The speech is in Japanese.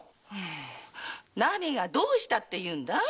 何がどうしたっていうんだい？